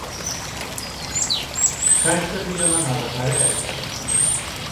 Хай сабе яна нават валяецца!